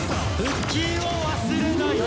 腹筋を忘れない！